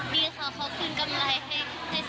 มีห่วงบ้างไหม